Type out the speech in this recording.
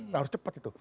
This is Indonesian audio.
nah harus cepat itu